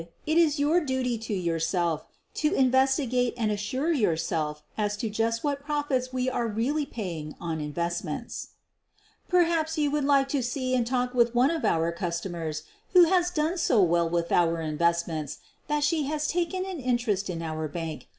It is your duty to your self to investigate and assure yourself as to just what profits we are really paying on investments. QUEEN OF THE BURGLARS 97 Perhaps you would like to see and talk with one of our customers who has done so well with our in vestments that she has taken an interest in our bank.